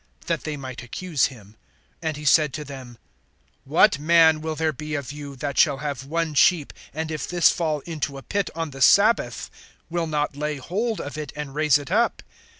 that they might accuse him. (11)And he said to them: What man will there be of you, that shall have one sheep, and if this fall into a pit on the sabbath, will not lay hold of it, and raise it up?